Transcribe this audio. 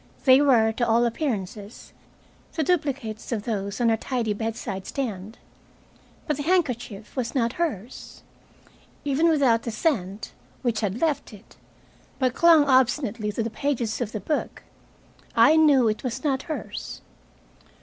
They were, to all appearances, the duplicates of those on her tidy bedside stand. But the handkerchief was not hers. Even without the scent, which had left it, but clung obstinately to the pages of the book, I knew it was not hers.